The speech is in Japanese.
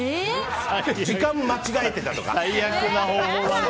時間を間違えてたとか。